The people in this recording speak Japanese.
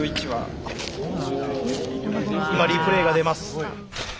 今リプレーが出ます。